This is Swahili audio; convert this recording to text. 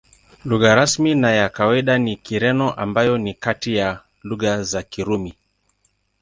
Lugha rasmi na ya kawaida ni Kireno, ambayo ni kati ya lugha za Kirumi.